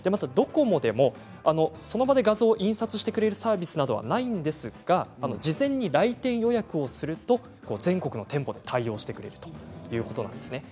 ドコモでもその場で画像を印刷してくれるサービスなどは、ないんですが事前に来店予約をすると全国の店舗で対応してくれるということなんです。